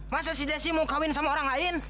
masa si desi mau kawin sama orang lain